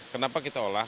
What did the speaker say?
kenapa kita olah